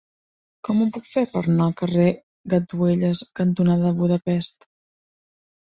Com ho puc fer per anar al carrer Gatuelles cantonada Budapest?